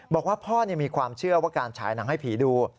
บอกว่าพ่อมีความเชื่อว่าการฉายหนังให้ผีดู